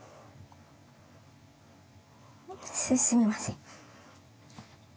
すすみません。